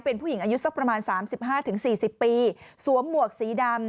เป็นผู้หญิงอายุสักประมาณ๓๕๔๐ปีสวมหมวกสีดำ